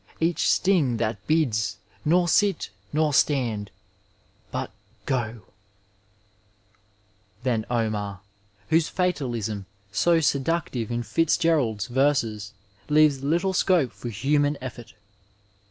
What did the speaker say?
Each sting that hids nor dt nor stand but go 1 than Omar, whose fatalism, so seductive in Fitzgerald's verses, leaves little scope for human effort.